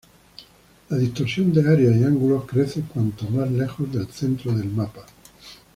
La distorsión de áreas y ángulos crece cuanto más lejos del centro del mapa.